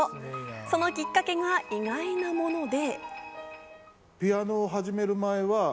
そのきっかけが意外なもので。